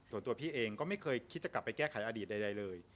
ส่วนตัวพี่เองก็ไม่เคยคิดจะกลับไปแก้ไขอดีตใดเลย